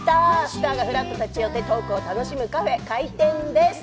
スターがふらっと立ち寄ってトークを楽しむカフェ開店です。